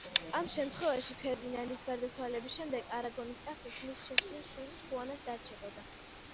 ამ შემთხვევაში ფერდინანდის გარდაცვალების შემდეგ არაგონის ტახტიც მის შეშლილ შვილს, ხუანას დარჩებოდა.